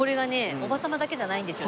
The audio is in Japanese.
おば様だけじゃないんですよ。